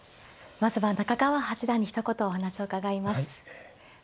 まずは中川八段にひと言お話を伺います。